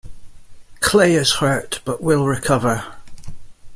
Clay is hurt, but will recover.